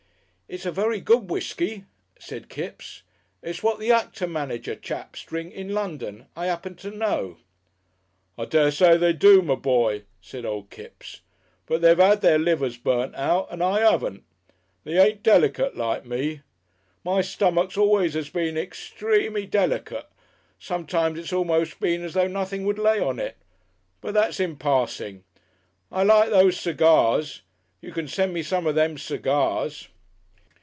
"It's a very good whiskey," said Kipps. "It's what the actor manager chaps drink in London, I 'appen to know." "I dessay they do, my boy," said old Kipps, "but then they've 'ad their livers burnt out, and I 'aven't. They ain't dellicat like me. My stummik always 'as been extrey dellicat. Sometimes it's almost been as though nothing would lay on it. But that's in passing. I liked those segars. You can send me some of them segars...."